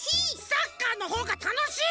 サッカーのほうがたのしい！